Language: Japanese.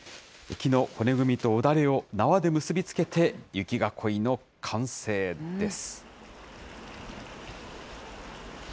木の骨組みとおだれを縄で結び付けて、雪囲いの完成です。